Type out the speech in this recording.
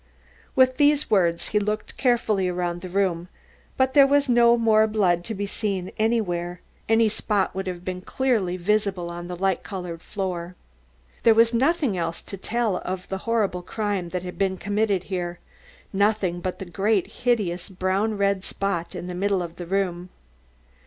With these words he looked carefully around the room, but there was no more blood to be seen anywhere. Any spot would have been clearly visible on the light coloured floor. There was nothing else to tell of the horrible crime that had been committed here, nothing but the great, hideous, brown red spot in the middle of the room.